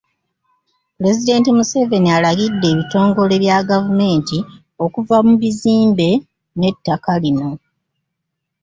Pulezidenti Museveni alagidde ebitongole bya gavumenti okuva mu bizimbe ne ttaka lino.